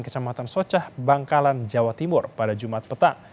kecamatan socah bangkalan jawa timur pada jumat petang